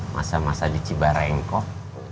masa masa di cibarengkok